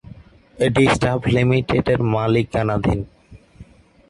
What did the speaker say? এটি স্টাফ লিমিটেডের মালিকানাধীন।